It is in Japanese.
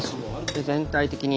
全体的に。